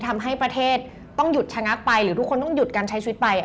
ทำให้ประเทศต้องหยุดชะงักไปหรือทุกคนต้องหยุดการใช้ชีวิตไป